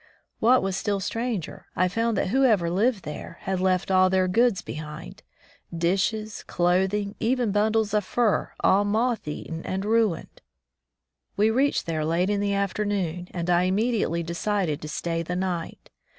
What was still stranger, I f oimd that whoever lived there had left all their goods behind, dishes, clothing, even bundles of furs all moth eaten and ruined. We reached there late in the afternoon, and I immediately de cided to stay the night.